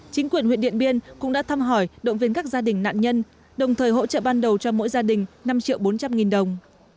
chính quyền huyện điện biên cũng đã thăm hỏi động viên các gia đình nạn nhân đồng thời hỗ trợ ban đầu cho mỗi gia đình năm triệu bốn trăm linh nghìn đồng